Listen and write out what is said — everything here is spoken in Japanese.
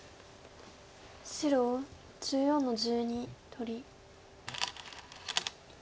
白１４の十二取り。